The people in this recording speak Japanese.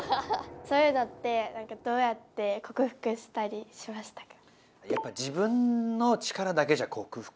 そういうのってどうやってこくふくしたりしましたか？